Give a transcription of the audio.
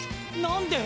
何で？